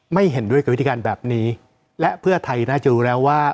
เห็นด้วยกับวิธีการแบบนี้และเพื่อไทยน่าจะรู้แล้วว่า